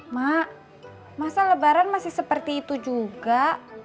mak masa lebaran masih seperti itu juga